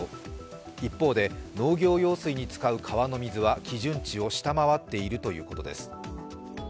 一方で農業用水に使う川の水は基準値を下回っているということです。